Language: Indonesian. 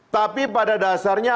tapi pada dasarnya